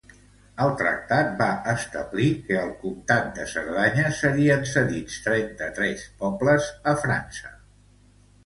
El tractat va establir que, al comtat de Cerdanya, serien cedits trenta-tres pobles a França.